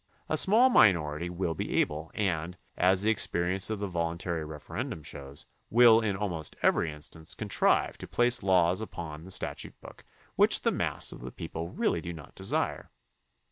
A small minority will be able and, as the experience of the voluntary referendum shows, will in almost every instance contrive to place laws upon the statute book which the mass of the people really do not desire.